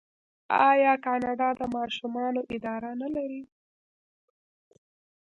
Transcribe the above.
آیا کاناډا د ماشومانو اداره نلري؟